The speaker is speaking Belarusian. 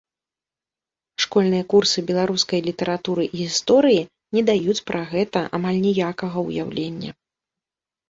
Школьныя курсы беларускай літаратуры і гісторыі не даюць пра гэта амаль ніякага ўяўлення.